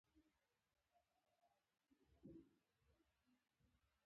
غیر رسمي بحثونه وکړي.